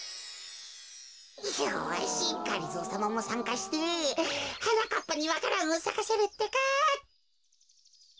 よしがりぞーさまもさんかしてはなかっぱにわか蘭をさかせるってか。